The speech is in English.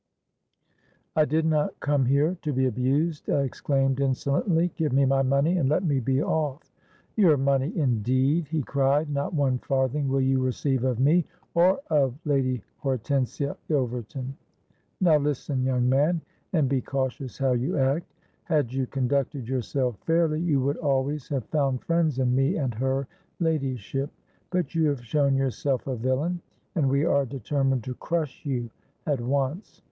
'—'I did not come here to be abused,' I exclaimed insolently: 'give me my money, and let me be off.'—'Your money, indeed!' he cried: 'not one farthing will you receive of me, or of Lady Hortensia Ilverton. Now, listen, young man, and be cautions how you act. Had you conducted yourself fairly, you would always have found friends in me and her ladyship; but you have shown yourself a villain, and we are determined to crush you at once.